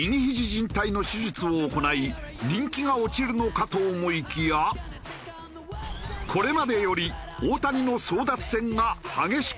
じん帯の手術を行い人気が落ちるのかと思いきやこれまでより大谷の争奪戦が激しくなる可能性も。